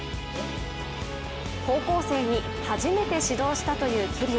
高校生に初めて指導したという桐生。